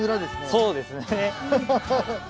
そうですね。